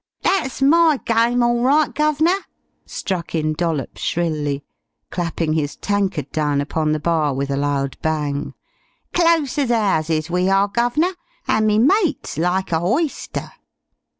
"That's my gyme all right, guv'nor!" struck in Dollops shrilly, clapping his tankard down upon the bar with a loud bang. "Close as 'ouses we are, guv'nor. An' me mate's like a hoyster."